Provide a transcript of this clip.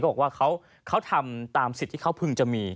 บอกว่าเขาทำตามสิทธิ์ที่เขาพึงจะมี